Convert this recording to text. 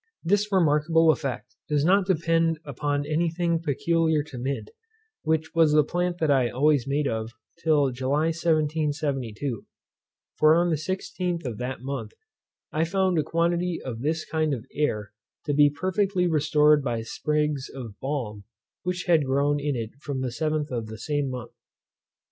This remarkable effect does not depend upon any thing peculiar to mint, which was the plant that I always made use of till July 1772; for on the 16th of that month, I found a quantity of this kind of air to be perfectly restored by sprigs of balm, which had grown in it from the 7th of the same month.